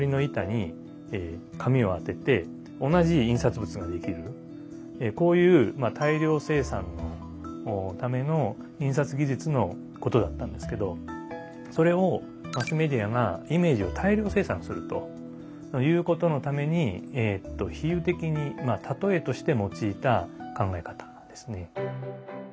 今から大体こういう大量生産のための印刷技術のことだったんですけどそれをマスメディアがイメージを大量生産するということのために比喩的に例えとして用いた考え方なんですね。